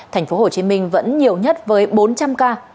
thành phố hồ chí minh vẫn nhiều nhất với bốn trăm linh ca